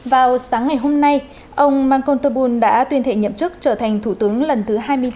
vào sáng ngày hôm nay ông markontobul đã tuyên thệ nhậm chức trở thành thủ tướng lần thứ hai mươi chín